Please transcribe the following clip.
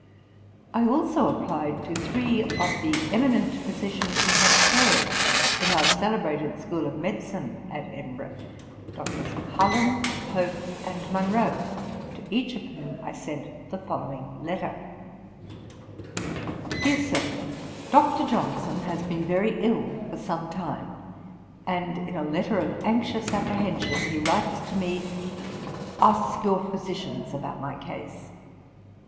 I also applied to three of the eminent physicians who had chairs in our celebrated school of medicine at Edinburgh, Doctors Cullen, Hope, and Monro, to each of whom I sent the following letter: 'DEAR SIR, 'Dr. Johnson has been very ill for some time; and in a letter of anxious apprehension he writes to me, "Ask your physicians about my case."